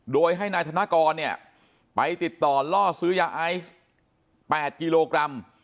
โดยให้นายธนกรเนี่ยไปติดต่อล่อซื้อยาไอซ์๘กิโลกรัม